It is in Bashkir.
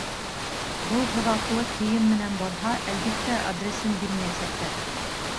Был һыҙатлы кейем менән барһа, әлбиттә, адресын бирмәйәсәктәр.